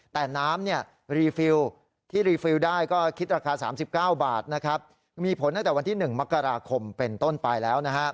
แต่น้ำรีฟิลที่รีฟิลได้ก็คิดราคา๓๙บาทมีผลตั้งแต่วันที่๑มกราคมเป็นต้นไปแล้ว